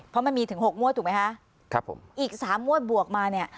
เพราะมันมีถึงหกงวดถูกไหมคะครับผมอีกสามงวดบวกมาเนี่ย